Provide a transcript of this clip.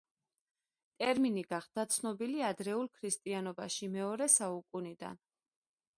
ტერმინი გახდა ცნობილი ადრეულ ქრისტიანობაში მეორე საუკუნიდან.